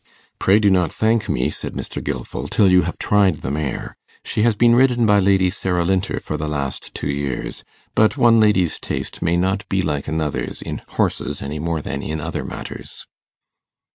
'Pray do not thank me,' said Mr. Gilfil, 'till you have tried the mare. She has been ridden by Lady Sara Linter for the last two years; but one lady's taste may not be like another's in horses, any more than in other matters.